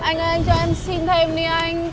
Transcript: anh ơi anh cho em xin thêm đi anh